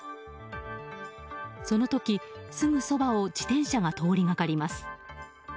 その時、すぐそばを自転車が通りがかります。